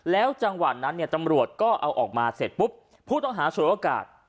แล้วจังหวะนั้นเนี่ยตำรวจก็เอาออกมาเสร็จปุ๊บผู้ต้องหาฉวยโอกาส